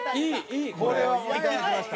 これはもういただきました。